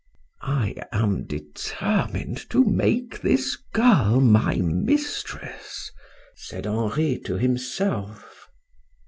"I am determined to make this girl my mistress," said Henri to himself.